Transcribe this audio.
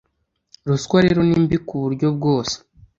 Ruswa rero nimbi ku buryo bwose.